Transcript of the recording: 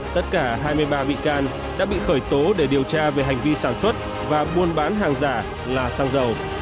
tất cả hai mươi ba bị can đã bị khởi tố để điều tra về hành vi sản xuất và buôn bán hàng giả là xăng dầu